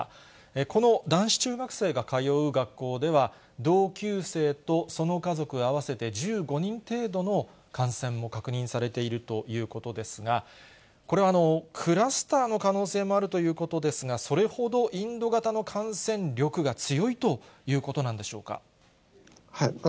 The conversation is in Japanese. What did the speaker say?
この男子中学生が通う学校では、同級生と、その家族合わせて１５人程度の感染も確認されているということですが、これはクラスターの可能性もあるということですが、それほどインド型の感染力が強いということなんでしょうか。